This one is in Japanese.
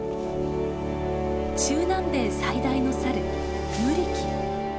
中南米最大のサルムリキ。